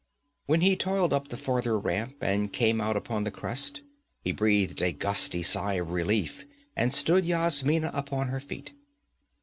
When he toiled up the farther ramp and came out upon the crest, he breathed a gusty sigh of relief and stood Yasmina upon her feet.